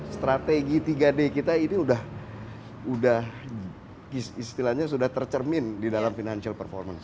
strategi tiga d kita ini udah istilahnya sudah tercermin di dalam financial performance